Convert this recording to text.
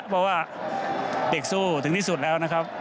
เพราะว่าเด็กสู้ถึงที่สุดแล้วนะครับ